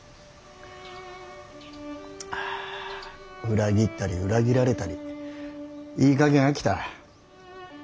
裏切ったり裏切られたりいいかげん飽きた。